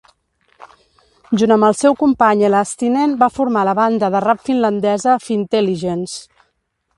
Junt amb el seu company Elastinen, va formar la banda de rap finlandesa Fintelligens.